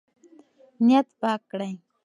نیت پاک کړئ.